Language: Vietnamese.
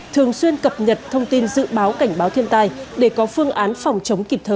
thường xuyên cập nhật thông tin dự báo cảnh báo thiên tai để có phương án phòng chống kịp thời